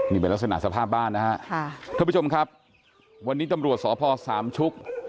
นี่เป็นลักษณะสภาพบ้านนะฮะค่ะท่านผู้ชมครับวันนี้ตำรวจสพสามชุก